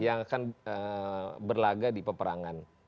yang akan berlaga di peperangan